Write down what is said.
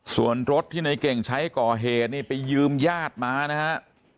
ส่วนรถที่ในเก่งใช้ก่อเหตุนี่ไปยืมญาติมานะฮะ